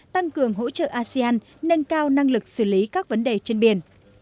tăng cường hỗ trợ asean nâng cao năng lực xử lý các vấn đề trên biển